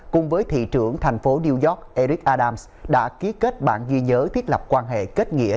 cùng với thị trưởng thành phố new york eric adams đã ký kết bản ghi nhớ thiết lập quan hệ kết nghĩa